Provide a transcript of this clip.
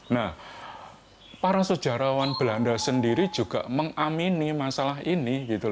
nah para sejarawan belanda sendiri juga mengamini masalah ini